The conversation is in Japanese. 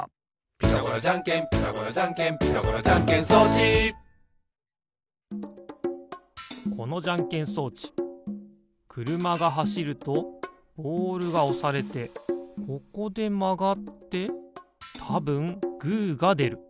「ピタゴラじゃんけんピタゴラじゃんけん」「ピタゴラじゃんけん装置」このじゃんけん装置くるまがはしるとボールがおされてここでまがってたぶんグーがでる。